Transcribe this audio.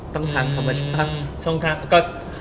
ต้องทางธรรมชาติ